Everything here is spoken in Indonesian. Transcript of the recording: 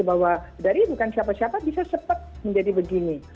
bahwa dari bukan siapa siapa bisa cepat menjadi begini